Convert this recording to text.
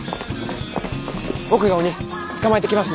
僕が鬼捕まえてきますんで！